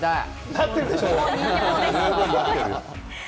なってるでしょう？